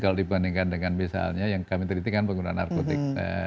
kalau dibandingkan dengan misalnya yang kami terhitungkan pengguna narkotik